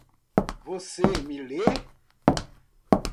Você me lê?